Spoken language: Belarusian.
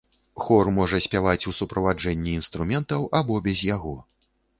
Хор можа спяваць у суправаджэнні інструментаў або без яго.